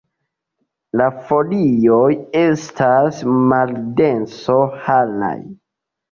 La folioj estas maldense haraj.